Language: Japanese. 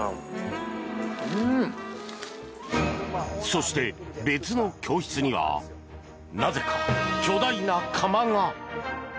そして別の教室にはなぜか巨大な窯が。